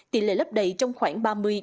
tỷ lệ lấp đầy trong khoảng ba mươi bảy mươi